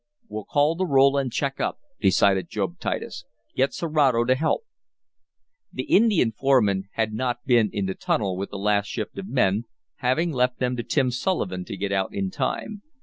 "We'll call the roll, and check up," decided Job Titus. "Get Serato to help." The Indian foreman had not been in the tunnel with the last shift of men, having left them to Tim Sullivan to get out in time.